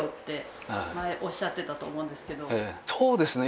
そうですね